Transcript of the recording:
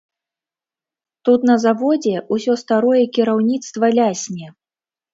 Тут на заводзе ўсё старое кіраўніцтва лясне.